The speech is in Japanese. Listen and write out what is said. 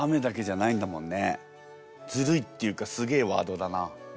ずるいっていうかすげえワードだな。